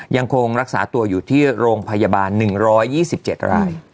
ยังคงรักษาตัวอยู่ที่โรงพยาบาล๑๒๗ราย